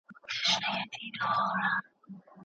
مسؤلیت زموږ دی.